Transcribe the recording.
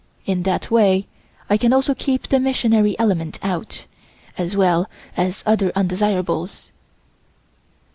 In that way I can also keep the missionary element out, as well as other undesirables.